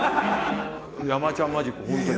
・山ちゃんマジック本当に。